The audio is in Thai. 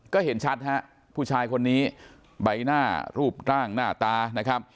ก็เห็นชัดฮะผู้ชายคนนี้ใบหน้ารูปร่างหน้าตานะครับ